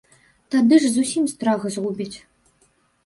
Тады ж зусім страх згубяць.